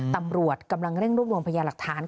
ตำรวจกำลังเร่งรวบรวมพยาหลักฐาน